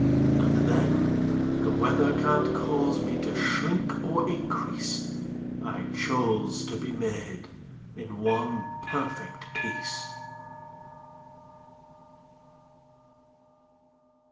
And, then, The weather can't cause me to shrink or increase: I chose to be made in one perfect piece!